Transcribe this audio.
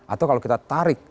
atau kalau kita tarik